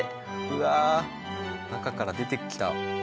うわ中から出てきた！